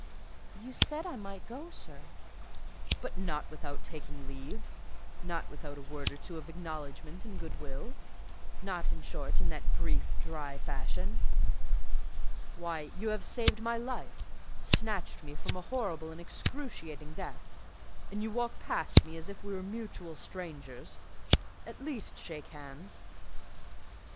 "You said I might go, sir." "But not without taking leave; not without a word or two of acknowledgment and good will: not, in short, in that brief, dry fashion. Why, you have saved my life!—snatched me from a horrible and excruciating death! and you walk past me as if we were mutual strangers! At least shake hands."